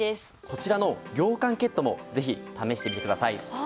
こちらの涼感ケットもぜひ試してみてください。